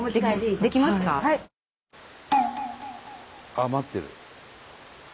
あっ待ってる。